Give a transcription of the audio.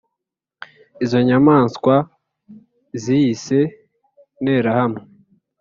izo nyamaswa ziyise interahamwe